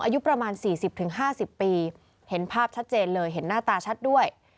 อายุประมาณ๔๐๕๐ปีเห็นภาพชัดเจนเลยเห็นหน้าตาชัดด้วย